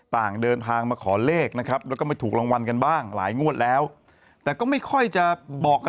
ต่างเดินทางมาขอเลขนะครับแล้วก็ไม่ถูกรางวัลกันบ้างหลายงวดแล้วแต่ก็ไม่ค่อยจะบอกกับ